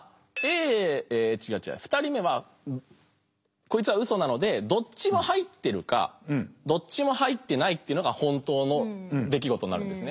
２人目はこいつはウソなのでどっちも入ってるかどっちも入ってないってのが本当の出来事になるんですね。